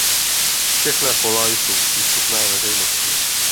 Všechna kola jsou přístupná veřejnosti.